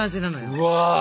うわ！